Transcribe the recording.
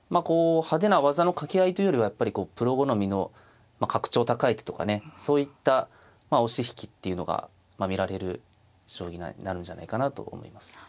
こう派手な技のかけ合いというよりはやっぱりこうプロ好みの格調高い手とかねそういった押し引きっていうのが見られる将棋になるんじゃないかなと思います。